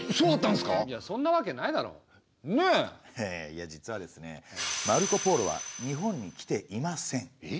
いや実はですねマルコ＝ポーロは日本に来ていません。